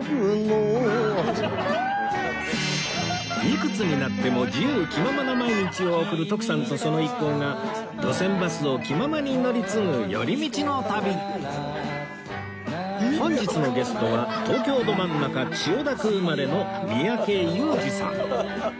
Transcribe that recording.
いくつになっても自由気ままな毎日を送る徳さんとその一行が路線バスを気ままに乗り継ぐ寄り道の旅本日のゲストは東京ど真ん中千代田区生まれの三宅裕司さん